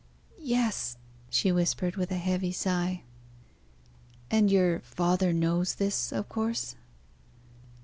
"Yes!" she whispered, with a heavy sigh. "And your father knows this, of course?"